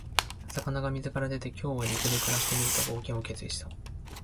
魚が水から出て、「今日は陸で暮らしてみる」と冒険を決意した。